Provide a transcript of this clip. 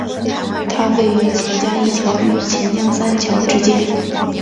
它位于钱江一桥与钱江三桥之间。